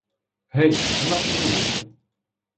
Гей, на нашу вулицю!